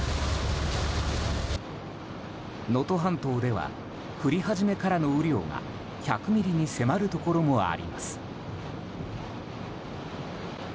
能登半島では降り始めからの雨量が１００ミリに迫るところもあります。